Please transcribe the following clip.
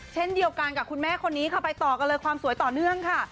เช่นเดียวกันกับคุณแม่คนนี้ค่ะไปต่อกันเลยความสวยต่อเนื่องค่ะ